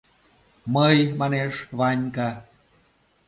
— Мый, — манеш Ванька.